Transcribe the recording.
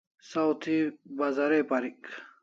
Saw thi Bazar ai parik